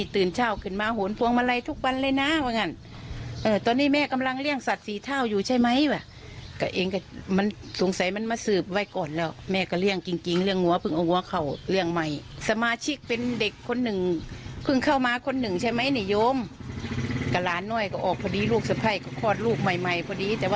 ตื่นเช้าขึ้นมาโหนพวงมาลัยทุกวันเลยนะว่างั้นตอนนี้แม่กำลังเลี่ยงสัตว์สี่เท่าอยู่ใช่ไหมว่ะก็เองก็มันสงสัยมันมาสืบไว้ก่อนแล้วแม่ก็เลี่ยงจริงเรื่องหัวเพิ่งเอาวัวเข้าเรื่องใหม่สมาชิกเป็นเด็กคนหนึ่งเพิ่งเข้ามาคนหนึ่งใช่ไหมนิยมกับหลานน้อยก็ออกพอดีลูกสะพัยก็คลอดลูกใหม่ใหม่พอดีแต่ว่า